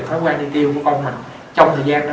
thói quen đi tiêu của con mà trong thời gian đó